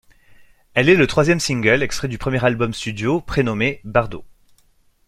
Elle est le troisième single extrait du premier album studio prénommé Bardot.